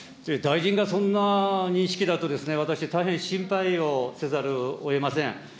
大臣がそんな認識だと、私、大変心配をせざるをえません。